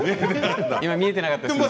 今、見えてなかったです。